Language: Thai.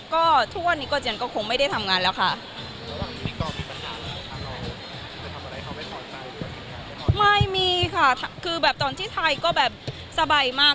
ก็ทุกวันนี้ก็เจียนก็คงไม่ได้ทำงานแล้วค่ะคือแบบตอนที่ไทยก็แบบสบายมาก